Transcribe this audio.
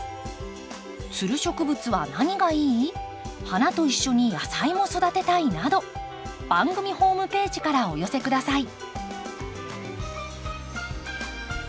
花と一緒に野菜も育てたいなど番組ホームページからお寄せ下さい。